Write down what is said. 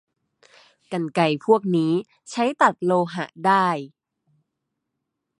กรรไกรพวกนี้ใช้ตัดโลหะได้